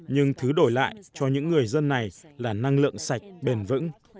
nhưng thứ đổi lại cho những người dân này là năng lượng sạch bền vững